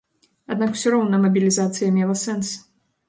Аднак усё роўна мабілізацыя мела сэнс.